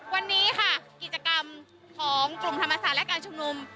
วันนี้ค่ะกิจกรรมของกลุ่มธรรมศาสตร์และการชุมนุม